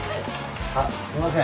あすいません。